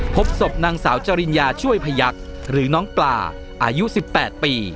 พบศพนางสาวจริญญาช่วยพยักษ์หรือน้องปลาอายุ๑๘ปี